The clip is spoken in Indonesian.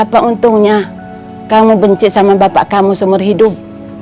apa untungnya kamu benci sama bapak kamu seumur hidup